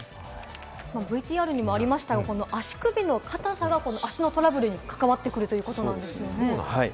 ＶＴＲにもありましたが、足首の硬さが足のトラブルにも関わってくるということなんですね。